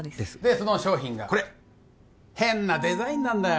その商品がこれ変なデザインなんだよ